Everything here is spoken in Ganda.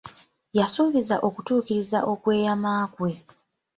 Yasuubizza okutuukiriza okweyama kwe.